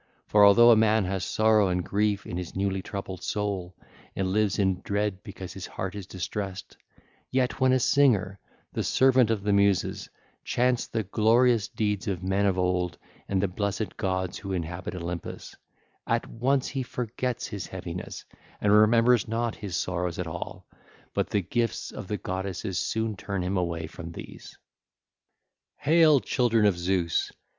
For though a man have sorrow and grief in his newly troubled soul and live in dread because his heart is distressed, yet, when a singer, the servant of the Muses, chants the glorious deeds of men of old and the blessed gods who inhabit Olympus, at once he forgets his heaviness and remembers not his sorrows at all; but the gifts of the goddesses soon turn him away from these. (ll. 104 115) Hail, children of Zeus!